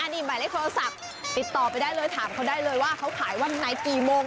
นี่หมายเลขโทรศัพท์ติดต่อไปได้เลยถามเขาได้เลยว่าเขาขายวันไหนกี่โมง